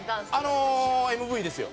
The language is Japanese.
あのＭＶですよ。